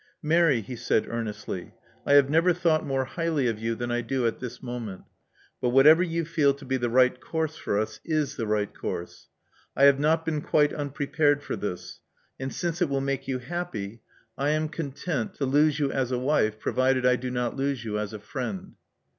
'*Mary," he said, earnestly: I have never thought more highly of you than I do at this moment. But whatever you feel to be the right course for us is the right course. I have not been quite unprepared for this ; and since it will make you happy, I am content 2i6 Love Among the Artists to lose you as a wife, provided I do not lose you as a friend."